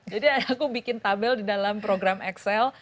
jadi aku bikin tabel di dalam program excel